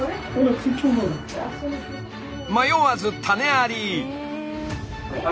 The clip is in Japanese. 迷わず種あり！